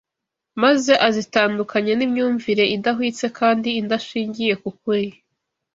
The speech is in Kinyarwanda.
maze azitandukanya n’imyumvire idahwitse kandi idashingiye ku kuri